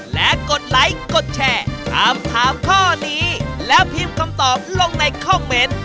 และกดไลค์กดแชร์ถามถามข้อนี้แล้วพิมพ์คำตอบลงในคอมเมนต์